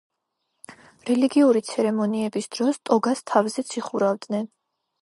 რელიგიური ცერემონიების დროს ტოგას თავზეც იხურავდნენ.